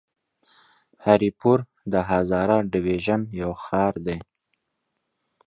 هري پور د هزاره ډويژن يو ښار دی.